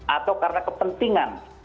atau karena kepentingan